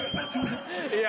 いや。